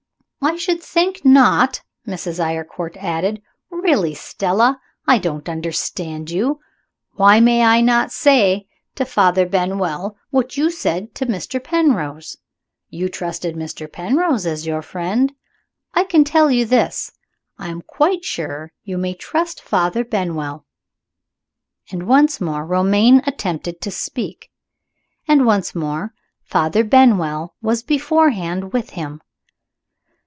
"I should think not!" Mrs. Eyrecourt added. "Really, Stella, I don't understand you. Why may I not say to Father Benwell what you said to Mr. Penrose? You trusted Mr. Penrose as your friend. I can tell you this I am quite sure you may trust Father Benwell." Once more Romayne attempted to speak. And, once more, Father Benwell was beforehand with him.